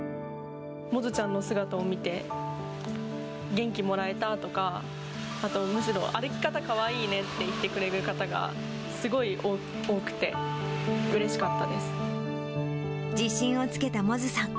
百舌ちゃんの姿を見て、元気もらえたとか、あとむしろ、歩き方かわいいねって言ってくれる方がすごい多くて、うれしかっ自信をつけた百舌さん。